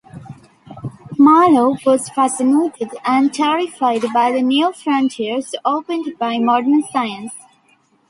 Marlowe was fascinated and terrified by the new frontiers opened by modern science.